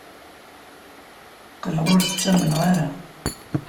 Qqleɣ ur t-ttamneɣ ara.